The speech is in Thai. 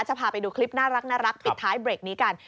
จะพาไปดูคลิปน่ารักปิดท้ายเบรกนี้กัน